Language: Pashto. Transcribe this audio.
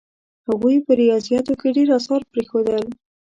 هغوی په ریاضیاتو کې ډېر اثار پرېښودل.